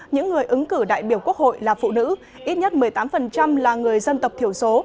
những người ứng cử đại biểu quốc hội là phụ nữ ít nhất một mươi tám là người dân tộc thiểu số